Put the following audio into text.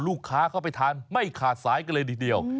ลูกค้าเขาไปทานไม่ขาดสายก็เลยทีเดียว